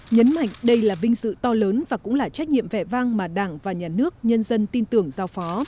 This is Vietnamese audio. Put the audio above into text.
nhấn mạnh đây là vinh dự to lớn và cũng là trách nhiệm vẻ vang mà đảng và nhà nước nhân dân tin tưởng giao phó